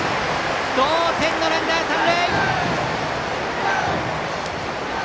同点のランナー、三塁！